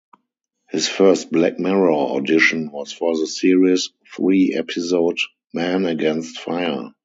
His first "Black Mirror" audition was for the series three episode "Men Against Fire".